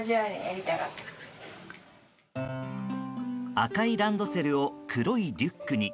赤いランドセルを黒いリュックに。